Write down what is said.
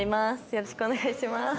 よろしくお願いします。